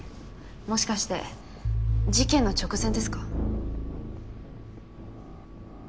もしかして事件の直前ですか？